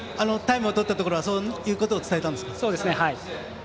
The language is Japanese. タイムをとったところはそういうところを伝えたんですね。